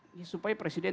ini supaya presiden